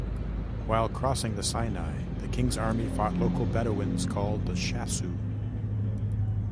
While crossing the Sinai, the king's army fought local Bedouins called the Shasu.